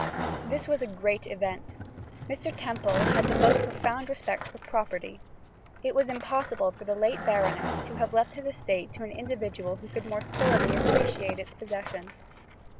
This was a great event. Mr. Temple had the most profound respect for property. It was impossible for the late baronet to have left his estate to an individual who could more thoroughly appreciate its possession.